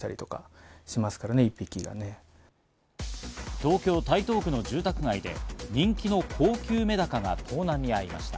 東京・台東区の住宅街で人気の高級メダカが盗難に遭いました。